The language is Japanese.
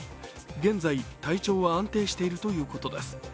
現在、体調は安定しているということです。